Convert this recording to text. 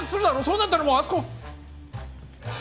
そうなったらもうあそこ。